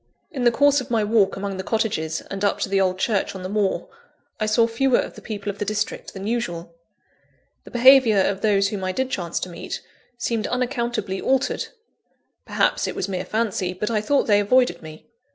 In the course of my walk among the cottages and up to the old church on the moor, I saw fewer of the people of the district than usual. The behaviour of those whom I did chance to meet, seemed unaccountably altered; perhaps it was mere fancy, but I thought they avoided me.